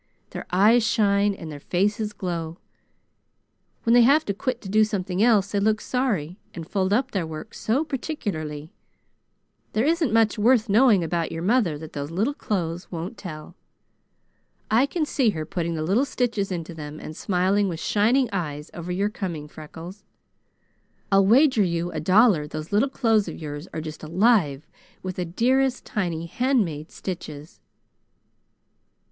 Their eyes shine and their faces glow. When they have to quit to do something else, they look sorry, and fold up their work so particularly. There isn't much worth knowing about your mother that those little clothes won't tell. I can see her putting the little stitches into them and smiling with shining eyes over your coming. Freckles, I'll wager you a dollar those little clothes of yours are just alive with the dearest, tiny handmade stitches."